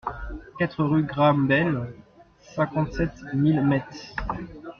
quatre rue Graham Bell, cinquante-sept mille Metz